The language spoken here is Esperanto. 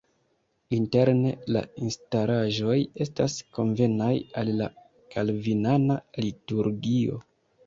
Interne la instalaĵoj estas konvenaj al la kalvinana liturgio.